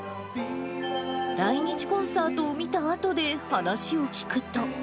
来日コンサートを見たあとで話を聞くと。